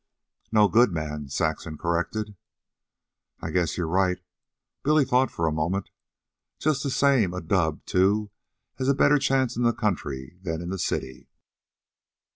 "No good man," Saxon corrected. "I guess you're right." Billy thought for a moment. "Just the same a dub, too, has a better chance in the country than in the city."